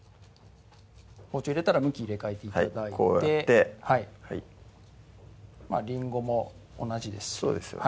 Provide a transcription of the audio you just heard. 包丁入れたら向き入れ替えて頂いてりんごも同じですそうですよね